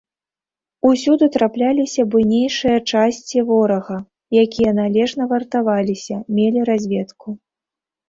Усюды трапляліся буйнейшыя часці ворага, якія належна вартаваліся, мелі разведку.